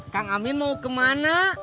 kang amin mau kemana